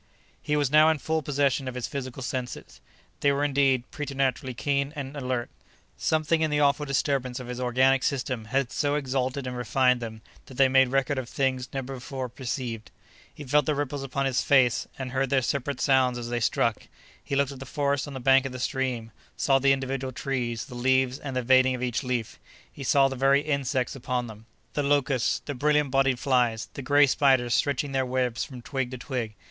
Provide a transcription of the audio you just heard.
He was now in full possession of his physical senses. They were, indeed, preternaturally keen and alert. Something in the awful disturbance of his organic system had so exalted and refined them that they made record of things never before perceived. He felt the ripples upon his face and heard their separate sounds as they struck. He looked at the forest on the bank of the stream, saw the individual trees, the leaves and the veining of each leaf—he saw the very insects upon them: the locusts, the brilliant bodied flies, the gray spiders stretching their webs from twig to twig.